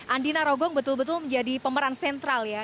andina rogong betul betul menjadi pemeran sentral ya